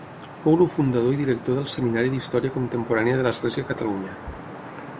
Fou el fundador i director del Seminari d'Història Contemporània de l'Església a Catalunya.